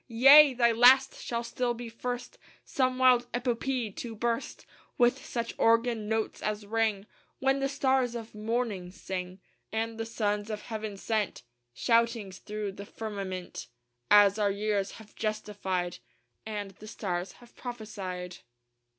Yea! thy last shall still be first Some wild epopee to burst With such organ notes as rang When the stars of morning sang, And the Sons of Heaven sent Shoutings through the firmament; As our years have justified And the stars have prophesied.